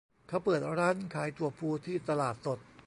เขาเปิดร้านขายถั่วพูที่ตลาดสด